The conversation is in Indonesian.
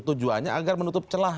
tujuannya agar menutup celah